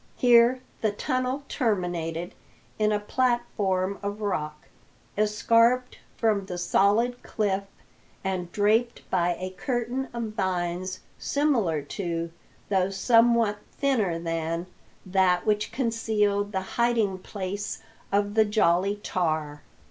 Here the tunnel terminated in a platform of rock, escarped from the solid cliff, and draped by a curtain of vines similar to, though somewhat thinner than, that which concealed the hiding place of the Jolly Tar.